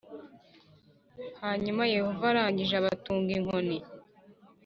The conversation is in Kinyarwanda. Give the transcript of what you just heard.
Hanyuma Yehova arangije abatunga inkoni